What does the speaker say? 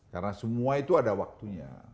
karena semua itu ada waktunya